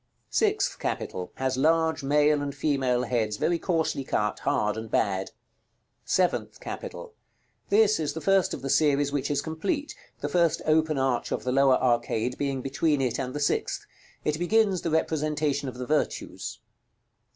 SIXTH CAPITAL. Has large male and female heads, very coarsely cut, hard, and bad. § LXIX. SEVENTH CAPITAL. This is the first of the series which is complete; the first open arch of the lower arcade being between it and the sixth. It begins the representation of the Virtues.